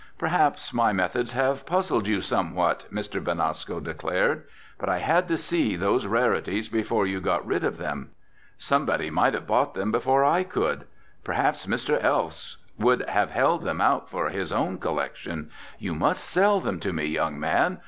"Perhaps my methods have puzzled you somewhat," Mr. Benasco declared. "But I had to see those rarities before you got rid of them. Somebody might have bought them before I could. Perhaps Mr. Elfs would have held them out for his own collection. You must sell them to me, young man!